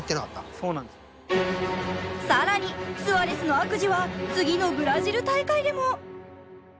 更にスアレスの悪事は次のブラジル大会でも。